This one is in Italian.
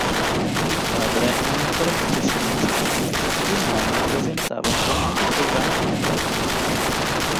Il padre è un attore professionista, il nonno presentava un famoso programma in radio.